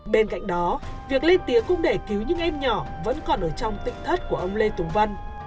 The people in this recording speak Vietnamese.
bên cạnh đó việc lên tiếng cũng để cứu những em nhỏ vẫn còn ở trong tỉnh thất của ông lê tùng vân